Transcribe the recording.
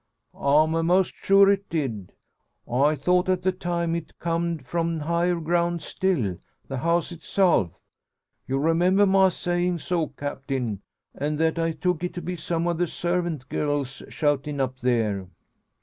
"I'm a'most sure it did. I thought at the time it comed from higher ground still the house itself. You remember my sayin' so, Captain; and that I took it to be some o' the sarvint girls shoutin' up there?"